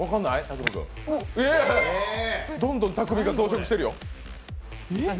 どんどん匠海が増殖してるよ！